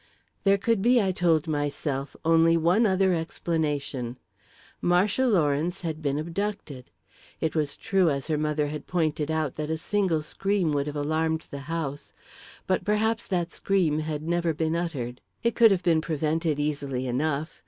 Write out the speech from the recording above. There could be, I told myself, only one other explanation. Marcia Lawrence had been abducted. It was true, as her mother had pointed out, that a single scream would have alarmed the house; but perhaps that scream had never been uttered. It could have been prevented easily enough.